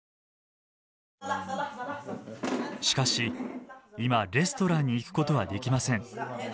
しかし今レストランに行くことはできません。